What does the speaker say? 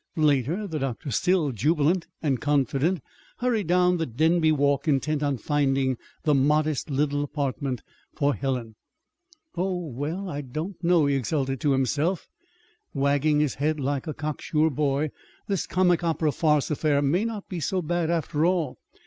Later, the doctor, still jubilant and confident, hurried down the Denby walk intent on finding the "modest little apartment" for Helen. "Oh, well, I don't know!" he exulted to himself, wagging his head like a cocksure boy. "This comic opera farce affair may not be so bad, after all.